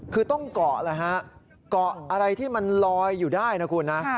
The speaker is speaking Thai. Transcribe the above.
คือต้องเกาะเลยฮะเกาะอะไรที่มันลอยอยู่ได้นะคุณนะ